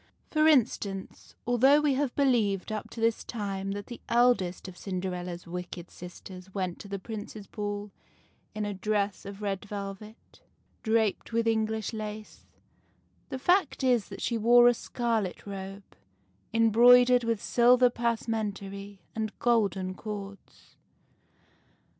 For instance, although we have believed up to this time that the eldest of Cinderella's wicked sisters went to the Prince's ball in a dress of red velvet, draped with English lace, the fact is that she wore a scarlet robe, embroid ered with silver passementerie and golden cords.